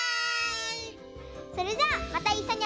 それじゃあまたいっしょにあそぼうね。